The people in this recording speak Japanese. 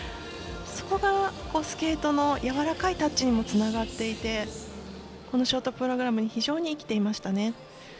そこがスケートのやわらかいタッチにもつながっていてこのショートプログラムに非常に生きていましたね。